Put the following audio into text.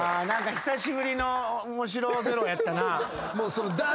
久しぶりの面白ゼロやったな。